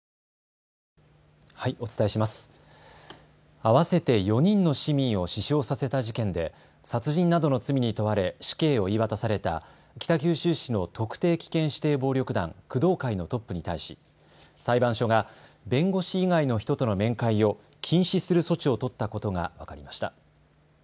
合わせて４人の市民を死傷させた事件で殺人などの罪に問われ死刑を言い渡された北九州市の特定危険指定暴力団、工藤会のトップに対し裁判所が弁護士以外の人との面会を禁止する措置を取ったことが分かりました。